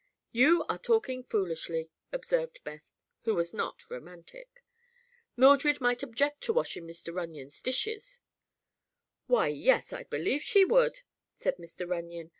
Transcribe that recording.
"You are all talking foolishly," observed Beth, who was not romantic. "Mildred might object to washing Mr. Runyon's dishes." "Why, yes; I believe she would," said Mr. Runyon.